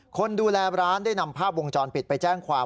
คนดูแลร้านได้นำภาพวงจรปิดไปแจ้งความ